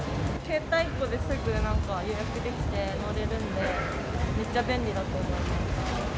携帯１個ですぐ予約できて乗れるんで、めっちゃ便利だと思います。